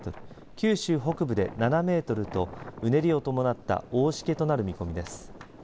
九州北部で７メートルとうねりを伴った大しけとなる見込みです。